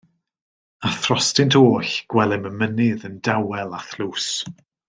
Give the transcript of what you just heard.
A throstynt oll gwelem y mynydd yn dawel a thlws.